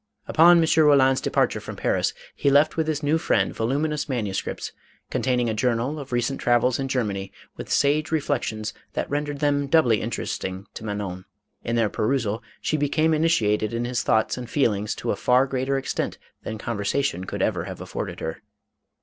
Upon M. Eoland's departure from Puris, he left with his new friend voluminous manuscripts containing a journal of recent travels in Germany, with sage reflec tions that rendered them doubly interesting to Manon. In their perusal, she became initiated in his thoughts and feelings to a far greater extent than conversation could ever have afforded her.